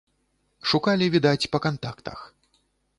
Шукалі, відаць, па кантактах.